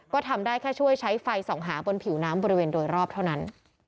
ก็ทำได้แค่ช่วยใช้ไฟส่องหาบนผิวน้ำบริเวณโดยรอบเท่านั้น